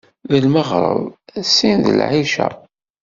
D lmeɣreb, sin d lɛica.